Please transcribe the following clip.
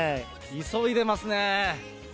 急いでますね。